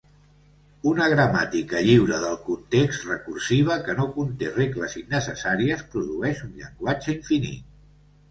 Una gramàtica lliure del context recursiva que no conté regles innecessàries produeix un llenguatge infinit.